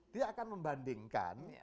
dia akan membandingkan